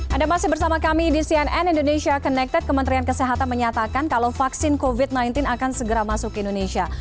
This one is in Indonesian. anda masih bersama kami di cnn indonesia connected kementerian kesehatan menyatakan kalau vaksin covid sembilan belas akan segera masuk ke indonesia